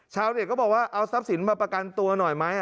เน็ตก็บอกว่าเอาทรัพย์สินมาประกันตัวหน่อยไหม